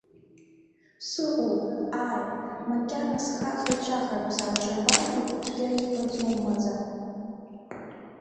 Сыҟоуп, ааи, макьана схаха-чахартә, сааҽырбаргьы цәгьа избаӡом маӡа.